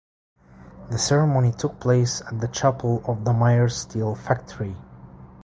The ceremony took place at the chapel of the Mieres steel factory.